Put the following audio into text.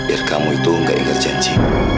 ir kamu itu gak ingat janji